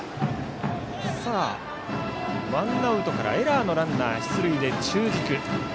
ワンアウトからエラーのランナーが出塁で中軸。